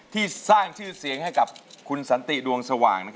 ที่สร้างชื่อเสียงให้กับคุณสันติดวงสว่าง